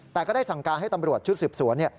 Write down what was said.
แต่ก็ได้สั่งการให้ตำรวจชุดสืบสวน